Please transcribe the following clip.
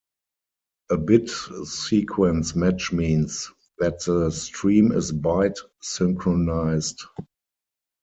A bit-sequence match means that the stream is byte-synchronized.